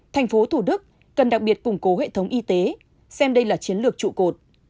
thành phố thủ đức cần đặc biệt củng cố hệ thống y tế xem đây là chiến lược trụ cột